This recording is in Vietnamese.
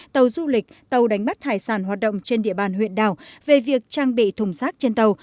tàu du lịch tàu đánh bắt hải sản hoạt động trên địa bàn huyện đảo về việc trang bị thùng rác trên tàu